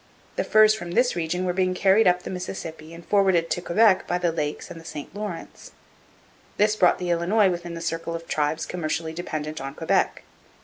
The furs from this region were being carried up the Mississippi and forwarded to Quebec by the Lakes and the St Lawrence. This brought the Illinois within the circle of tribes commercially dependent on Quebec.